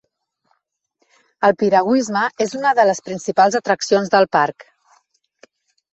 El piragüisme és una de les principals atraccions del parc.